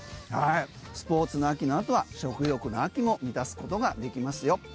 スポーツの秋のあとは食欲の秋も満たすことができますよ。